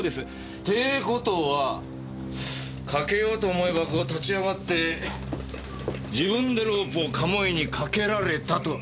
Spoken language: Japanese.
てぇ事は掛けようと思えばこう立ち上がって自分でロープを鴨居に掛けられたと。